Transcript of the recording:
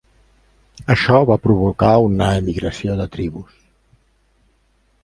Això va provocar una emigració de tribus.